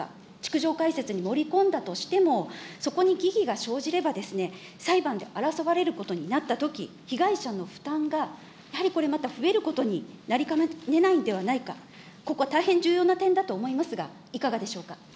逐条解説に盛り込んだとしても、そこに疑義が生じれば裁判で争われることになったとき、被害者の負担がやはりこれまた増えることになりかねないんではないか、ここは大変重要な点だと思いますが、いかがでしょうか。